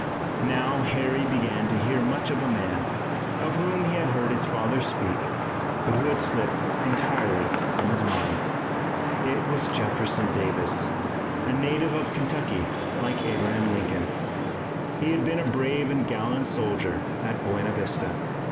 Now Harry began to hear much of a man, of whom he had heard his father speak, but who had slipped entirely from his mind. It was Jefferson Davis, a native of Kentucky like Abraham Lincoln. He had been a brave and gallant soldier at Buena Vista.